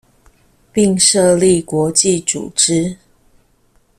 並設立國際組織